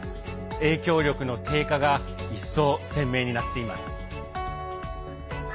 影響力の低下が一層鮮明になっています。